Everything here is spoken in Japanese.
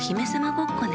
ごっこね